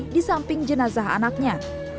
di samping jenazah anaknya